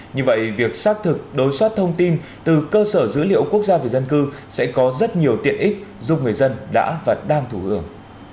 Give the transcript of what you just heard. như vậy việc xác thực đối xoát thông tin từ cơ sở dữ liệu quốc gia về dân cư sẽ có rất nhiều tiện ích giúp người dân đã và đang thủ hưởng